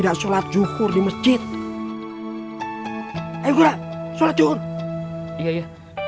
makan sholat yukur di masjid hai egor sholat yukur iya iya